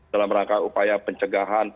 dalam rangka upaya pencapaian